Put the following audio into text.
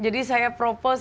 jadi saya propose